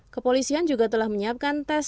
kepolisian juga telah menyiapkan tes